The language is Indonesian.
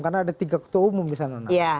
karena ada tiga ketua umum di sana